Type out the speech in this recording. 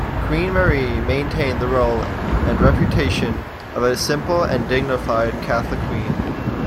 Queen Marie maintained the role and reputation of a simple and dignified Catholic queen.